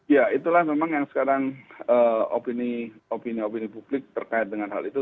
ya itulah memang yang sekarang opini opini publik terkait dengan hal itu